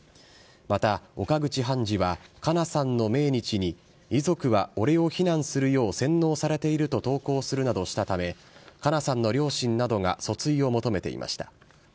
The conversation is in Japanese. また、岡口判事は、加奈さんの命日に、遺族は俺を非難するよう洗脳されていると投稿するなどしたため、加奈さんの両親などが訴追を求めていました。